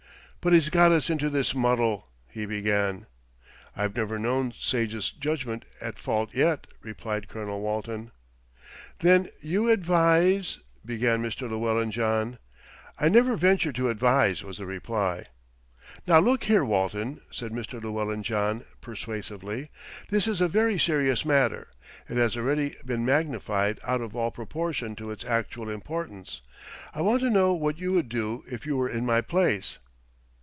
"But he's got us into this muddle," he began. "I've never known Sage's judgment at fault yet," replied Colonel Walton. "Then you advise " began Mr. Llewellyn John. "I never venture to advise," was the reply. "Now look here, Walton," said Mr. Llewellyn John persuasively, "this is a very serious matter. It has already been magnified out of all proportion to its actual importance. I want to know what you would do if you were in my place."